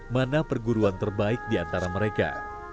mana perguruan terbaik di antara mereka